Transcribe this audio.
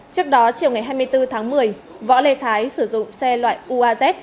trước đó chiều ngày hai mươi bốn tháng một mươi võ lê thái sử dụng xe loại uaz